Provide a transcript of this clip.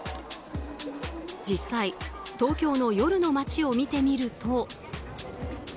実際東京の夜の街を見てみると。